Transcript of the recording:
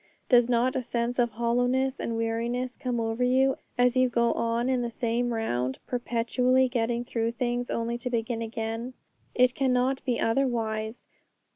Does not a sense of hollowness and weariness come over you as you go on in the same round, perpetually getting through things only to begin again? It cannot be otherwise.